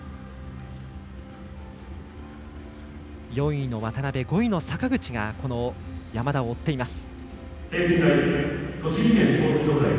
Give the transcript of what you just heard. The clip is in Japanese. ４位の渡部、５位の坂口がこの山田を追っています。